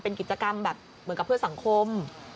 เป็นกิจกรรมแบบเหมือนกับเพื่อสังคม